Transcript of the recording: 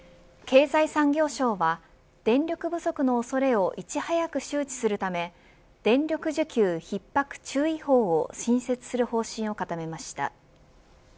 経済産業省は電力不足の恐れをいち早く周知するため電力需給ひっ迫注意報を新設する方針を固めました。